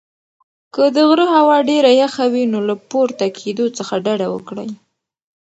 که د غره هوا ډېره یخه وي نو له پورته کېدو څخه ډډه وکړئ.